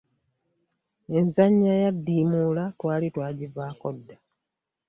Enzannya ya ndimuula twali twagivaako dda.